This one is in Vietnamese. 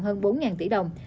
hơn bốn tỷ đồng